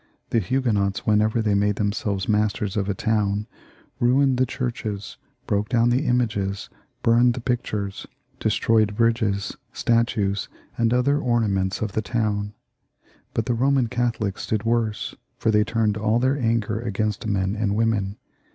The Huguenots, when ever they made themselves masters of a town, ruined the churches, broke down the images, burned the pictures, destroyed bridges, statues, and other ornaments of the town; but the Roman Catholics did worse, for they turned > all their anger against men and women.